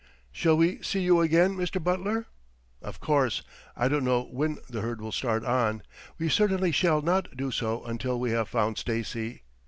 "Shall we see you again, Mr. Butler?" "Of course. I don't know when the herd will start on. We certainly shall not do so until we have found Stacy.